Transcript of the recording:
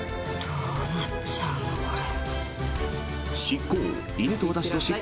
どうなっちゃうの、これ。